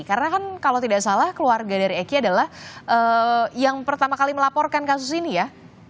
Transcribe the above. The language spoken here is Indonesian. karena kan kalau tidak salah keluarga dari eki adalah yang pertama kali melaporkan kasus ini ya